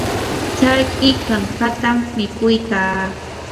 charki kankatam mikuy kaa.